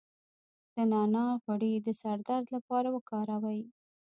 د نعناع غوړي د سر درد لپاره وکاروئ